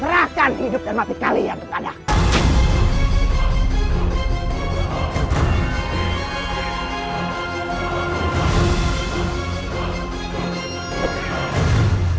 serahkan hidup dan mati kalian kepada aku